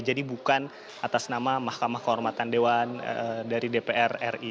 jadi bukan atas nama mahkamah kehormatan dewan dari dpr ri